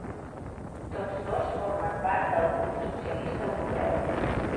Tots dos formen part del Grup Socialista Europeu.